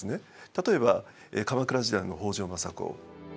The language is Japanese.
例えば鎌倉時代の北条政子。